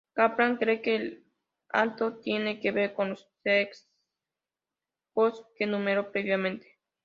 Caplan cree que algo tiene que ver con los sesgos que enumeró previamente.